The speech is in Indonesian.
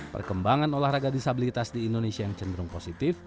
perkembangan olahraga disabilitas di indonesia yang cenderung positif